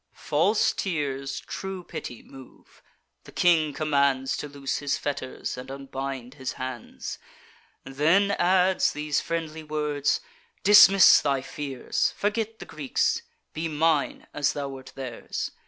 "False tears true pity move; the king commands To loose his fetters, and unbind his hands: Then adds these friendly words: 'Dismiss thy fears; Forget the Greeks; be mine as thou wert theirs.